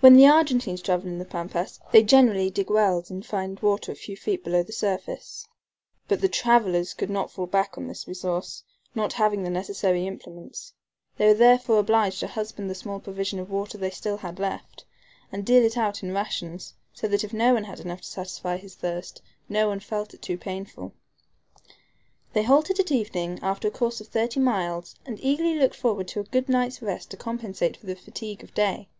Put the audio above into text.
When the Argentines travel in the Pampas they generally dig wells, and find water a few feet below the surface. But the travelers could not fall back on this resource, not having the necessary implements. They were therefore obliged to husband the small provision of water they had still left, and deal it out in rations, so that if no one had enough to satisfy his thirst no one felt it too painful. They halted at evening after a course of thirty miles and eagerly looked forward to a good night's rest to compensate for the fatigue of day.